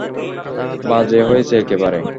বাজে হয়েছে একেবারে।